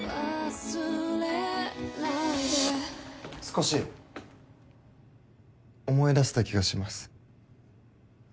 少し思い出せた気がします。